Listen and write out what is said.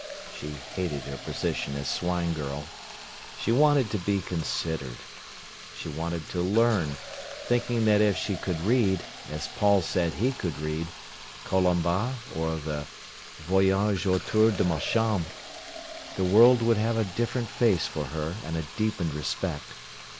She hated her position as swine girl. She wanted to be considered. She wanted to learn, thinking that if she could read, as Paul said he could read, "Colomba", or the "Voyage autour de ma Chambre", the world would have a different face for her and a deepened respect.